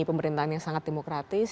pemerintahan yang sangat demokratis